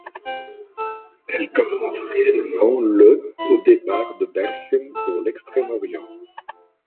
Elle commence réellement le au départ de Bergen pour l'Extrême-Orient.